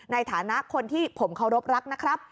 ในฐานะคนที่ผมเคารพรักนะครับ